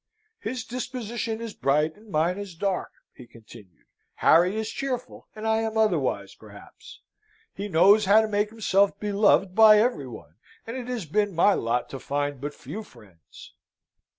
"His disposition is bright, and mine is dark," he continued; "Harry is cheerful, and I am otherwise, perhaps. He knows how to make himself beloved by every one, and it has been my lot to find but few friends."